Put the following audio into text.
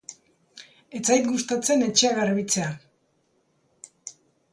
Ez zait gustatzen etxea garbitzea